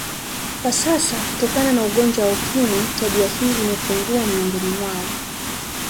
Kwa sasa kutokana na ugonjwa wa ukimwi tabia hii imepungua miongoni mwao